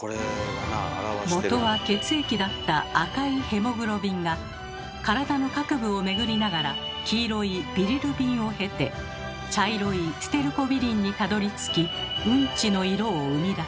元は血液だった赤いヘモグロビンが体の各部を巡りながら黄色いビリルビンを経て茶色いステルコビリンにたどりつきうんちの色を生み出す。